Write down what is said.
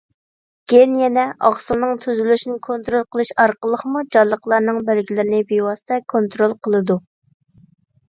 گېن يەنە ئاقسىلنىڭ تۈزۈلۈشىنى كونترول قىلىش ئارقىلىقمۇ جانلىقلارنىڭ بەلگىلىرىنى بىۋاسىتە كونترول قىلىدۇ.